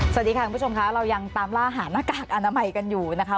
สวัสดีค่ะคุณผู้ชมค่ะเรายังตามล่าหาหน้ากากอนามัยกันอยู่นะคะ